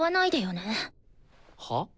はあ？